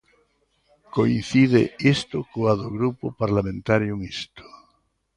Coincide isto coa do Grupo Parlamentario Mixto.